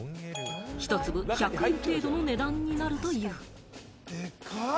１粒１００円程度の値段になるという。